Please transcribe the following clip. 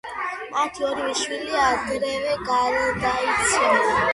მათი ორივე შვილი ადრევე გარდაიცვალა.